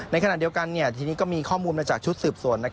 ในขณะเดียวกันทีนี้ก็มีข้อมูลมาจากชุดสืบสวน